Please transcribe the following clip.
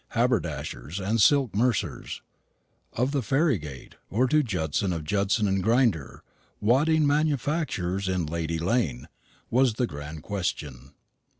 haberdashers and silk mercers, of the Ferrygate, or to Judson of Judson and Grinder, wadding manufacturers in Lady lane was the grand question.